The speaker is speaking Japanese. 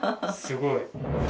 すごい。